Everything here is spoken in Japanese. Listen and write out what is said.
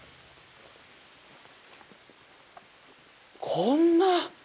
こんな！